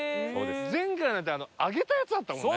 前回なんて揚げたやつあったもんね。